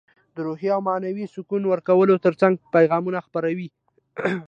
د روحي او معنوي سکون ورکولو ترڅنګ پیغامونه خپروي.